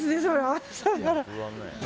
朝から。